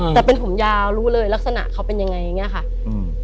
แต่เป็นผมยาวรู้เลยลักษณะเขาเป็นยังไงอย่างเงี้ยค่ะอืม